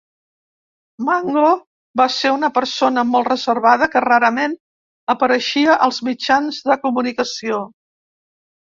Mango va ser una persona molt reservada que rarament apareixia als mitjans de comunicació.